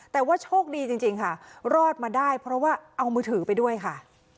แต่ว่าโชคดีจริงค่ะรอดมาได้เพราะว่าเอามือถือไปด้วยค่ะ